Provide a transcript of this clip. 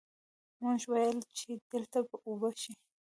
مونږ ويل چې دلته به اوبۀ وڅښو ـ